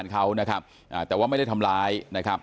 ทีมข่าวเราก็พยายามสอบปากคำในแหบนะครับ